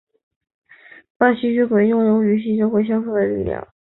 半吸血鬼拥有与吸血鬼相似的力量。